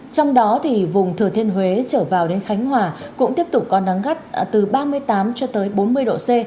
trong đó thì vùng thừa thiên huế trở vào đến khánh hòa cũng tiếp tục có nắng gắt từ ba mươi tám cho tới bốn mươi độ c